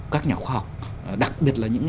các nhà khoa học đặc biệt là những